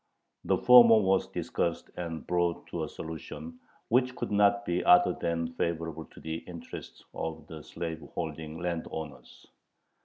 The former was discussed and brought to a solution, which could not be other than favorable to the interests of the slaveholding landowners.